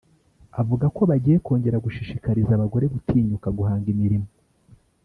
avuga ko bagiye kongera gushishikariza abagore gutinyuka guhanga imirimo’